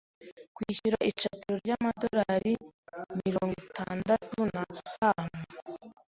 kwishyura icapiro ry’ amadolari mirongo itandatu n’atanu